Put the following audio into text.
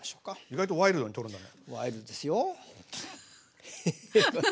意外とワイルドに取るんだね。